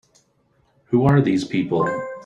Who are these people?